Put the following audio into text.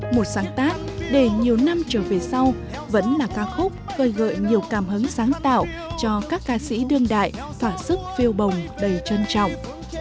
một sáng tác để nhiều năm trở về sau vẫn là ca khúc gợi gợi nhiều cảm hứng sáng tạo cho các ca sĩ đương đại thỏa sức phiêu bồng đầy trân trọng